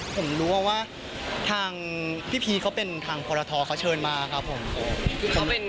ผมรู้ว่าทางพี่พีชเขาเป็นทางพรทเขาเชิญมาครับผม